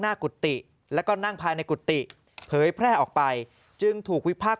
กุฏิแล้วก็นั่งภายในกุฏิเผยแพร่ออกไปจึงถูกวิพากษ